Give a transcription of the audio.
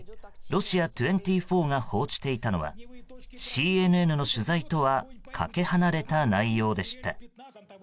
ロシア２４が報じていたのはＣＮＮの取材とはかけ離れた内容でした。